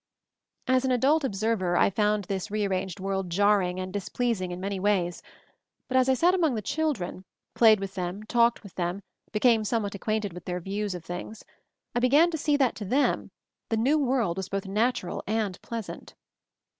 As an adult observer, I found this re ar ranged world jarring and displeasing in many ways ; but as I sat among the children, played with them, talked with them, became somewhat acquainted with their views of things, I began to see that to them the new world was both natural and pleasant.